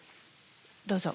どうぞ。